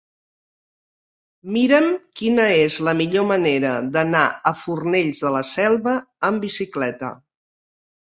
Mira'm quina és la millor manera d'anar a Fornells de la Selva amb bicicleta.